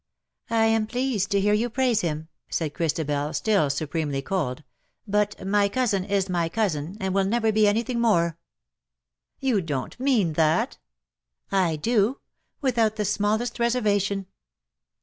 ''^^ I am pleased to hear you praise him," said Christabel, still supremely cold ;" but my cousin is my cousin, and will never be anything more." ^^You don't mean that?" " I do — without the smallest reservation."